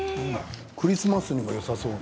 クリスマスにもよさそう。